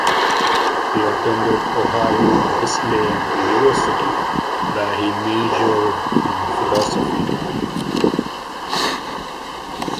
He attended Ohio Wesleyan University, where he majored in philosophy.